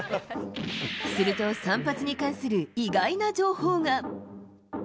すると、散髪に関する意外な情報が。